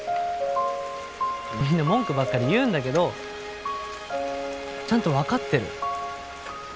みんな文句ばっかり言うんだけどちゃんと分かってる。